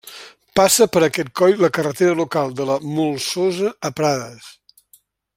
Passa per aquest coll la carretera local de la Molsosa a Prades.